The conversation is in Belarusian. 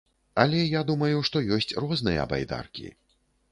Але я думаю, што ёсць розныя байдаркі.